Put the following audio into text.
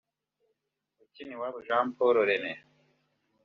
Ukiniwabo Jean Paul René